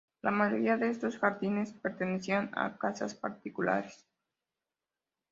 La mayoría de estos jardines pertenecían a casas particulares.